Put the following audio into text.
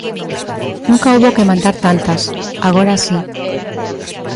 Nunca houbo que mandar tantas; agora si.